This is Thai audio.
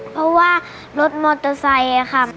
เพราะว่ารถมอเตอร์ไซค์ค่ะ